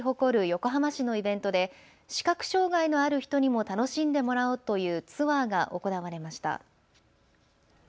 横浜市のイベントで、視覚障害のある人にも楽しんでもらおうというツアーが行われました。